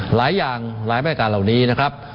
หลายอย่างหลายมาตรการเหล่านี้นะครับ